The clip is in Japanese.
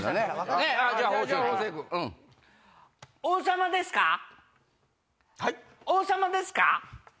王様ですか？